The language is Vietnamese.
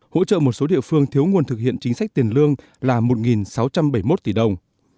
hỗ trợ một số địa phương thiếu nguồn thực hiện chính sách tiền lương là một sáu trăm bảy mươi một tỷ đồng